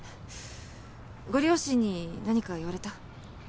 ご両親に何か言われた？